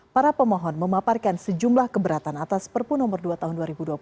para pemohon memaparkan sejumlah keberatan atas perpu nomor dua tahun dua ribu dua puluh